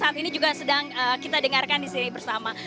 jadi saat ini juga sedang kita dengarkan di sini bersama